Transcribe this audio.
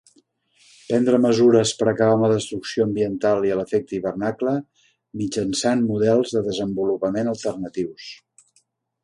Prendre mesures per acabar amb la destrucció ambiental i l'efecte hivernacle mitjançant models de desenvolupament alternatius.